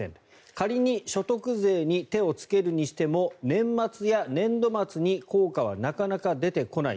仮に所得税に手をつけるにしても年末や年度末に効果はなかなか出てこない。